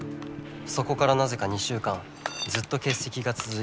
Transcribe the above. そこからなぜか２週間ずっと欠席が続いてる。